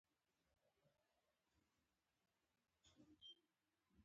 د کرنې د پرمختګ او ترویج لپاره نوې پروژې پلې شوې دي